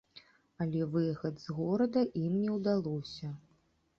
Але выехаць з горада ім не ўдалося.